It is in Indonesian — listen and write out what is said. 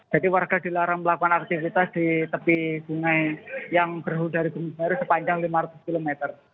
jadi warga dilarang melakukan aktivitas di tepi sungai yang berhubung dari gunung semeru sepanjang lima ratus km